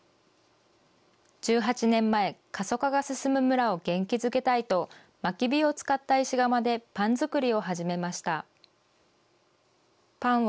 １８年前、過疎化が進む村を元気づけたいと、まき火を使った石窯でパン作りを始めました。